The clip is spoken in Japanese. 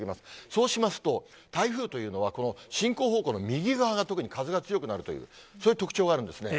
そうしますと、台風というのはこの進行方向の右側が特に風が強くなるという、そういう特徴があるんですね。